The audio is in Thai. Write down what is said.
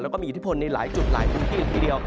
แล้วก็มีอิทธิพลในหลายจุดหลายพื้นที่เลยทีเดียว